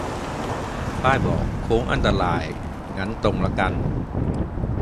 ป้ายบอกโค้งอันตราย งั้นตรงละกัน